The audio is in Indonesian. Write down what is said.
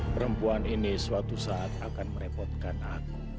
perempuan ini suatu saat akan merepotkan aku